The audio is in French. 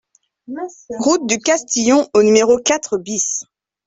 Route du Castillon au numéro quatre BIS